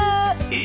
え？